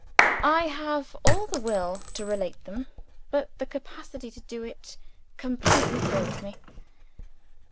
I have all the will to relate them but the capacity to do it completely fails me.